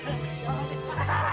hahaha jangan ditambal ditambal